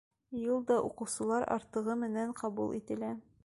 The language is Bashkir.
Йыл да уҡыусылар артығы менән ҡабул ителә.